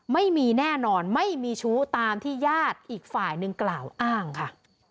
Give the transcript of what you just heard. ไม่มีแน่นอนไม่มีชู้ตามที่ญาติอีกฝ่ายหนึ่งกล่าวอ้างค่ะ